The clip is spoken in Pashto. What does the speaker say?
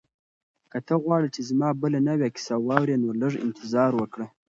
که ته غواړې چې زما بله نوې کیسه واورې نو لږ انتظار وکړه.